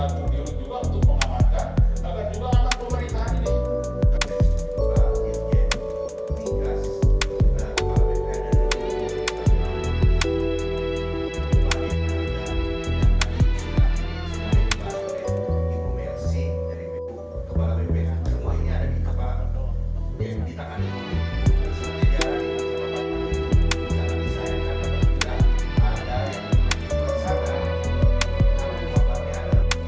demikian sebab itu saya tidak banyak seolah olah di sini di sini bahannya sudah banyak